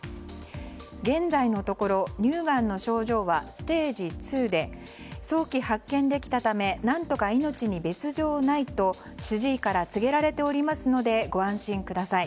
現在のところ乳がんの症状はステージ２で早期発見できたため何とか命に別条ないと主治医から告げられておりますのでご安心ください。